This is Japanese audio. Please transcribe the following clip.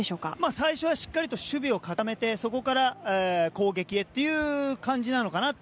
最初はしっかりと守備を固めてそこから攻撃へという感じなのかなと